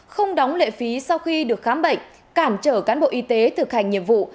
không đóng lệ phí sau khi được khám bệnh cản trở cán bộ y tế thực hành nhiệm vụ